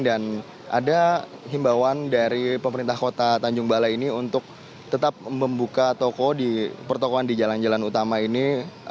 ada himbawan dari pemerintah kota tanjung balai ini untuk tetap membuka toko di pertokohan di jalan jalan utama ini